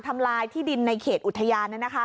ทำลายที่ดินในเขตอุทยาน